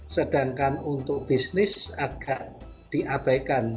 sedangkan untuk bisnis agak diabaikan